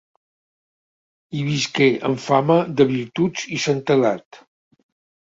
Hi visqué amb fama de virtuts i santedat.